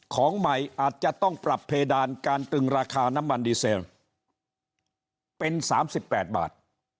ของใหม่อาจจะต้องปรับเพดานการตึงราคาน้ำมันดีเซลเป็น๓๘บาท